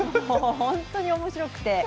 本当に面白くて。